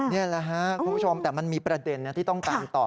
นี่แหละครับคุณผู้ชมแต่มันมีประเด็นที่ต้องตามต่อ